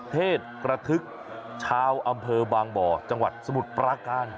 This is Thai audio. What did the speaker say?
เทศกระทึกชาวอำเภอบางบ่อจังหวัดสมุทรปราการ